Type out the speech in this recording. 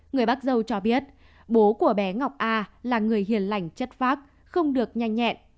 người bác dâu cho biết bố của bé ngọc a là người hiền lành chất phác không được nhanh nhẹn